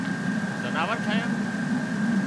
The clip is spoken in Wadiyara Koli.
زناور ٺاهيان